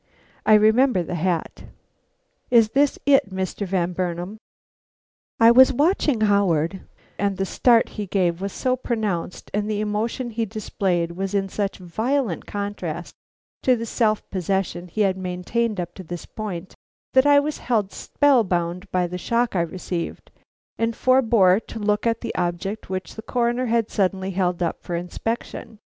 "I remember the hat." "Is this it, Mr. Van Burnam?" I was watching Howard, and the start he gave was so pronounced and the emotion he displayed was in such violent contrast to the self possession he had maintained up to this point, that I was held spell bound by the shock I received, and forebore to look at the object which the Coroner had suddenly held up for inspection.